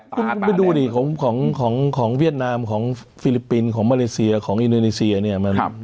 ไปดูดิของเวียดนามของฟิลิปปินส์ของมาเลเซียของอินโดนีเซียเนี่ย